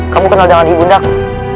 kamu kenal dengan ibu nama ku